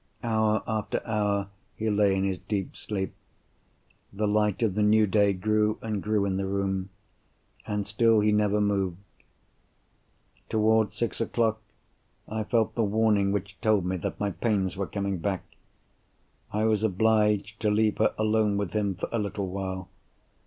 Hour after hour he lay in his deep sleep. The light of the new day grew and grew in the room, and still he never moved. Towards six o'clock, I felt the warning which told me that my pains were coming back. I was obliged to leave her alone with him for a little while.